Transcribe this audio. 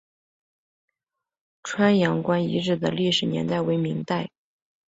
葵阳关遗址的历史年代为明代。